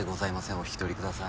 お引き取りください。